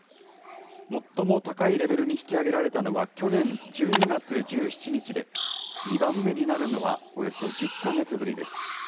最も高いレベルに引き上げられたのは、去年１２月１７日で、２番目になるのはおよそ１０か月ぶりです。